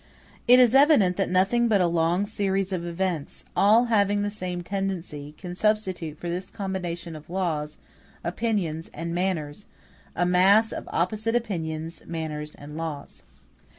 It is evident that nothing but a long series of events, all having the same tendency, can substitute for this combination of laws, opinions, and manners, a mass of opposite opinions, manners, and laws.